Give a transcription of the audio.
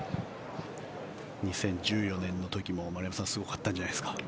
２０１４年の時も丸山さんすごかったんじゃないですか？